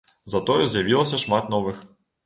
Затое з'явілася шмат новых.